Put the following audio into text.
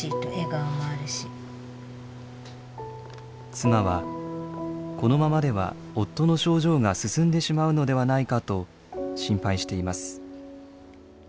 妻はこのままでは夫の症状が進んでしまうのではないかと心配しています。